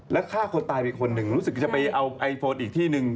แล้วฆ่าคนตายไปคนหนึ่งรู้สึกจะไปเอาไอโฟนอีกที่หนึ่ง